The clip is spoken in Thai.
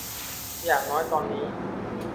อย่างน้อยตอนนี้